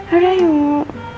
ada yang mau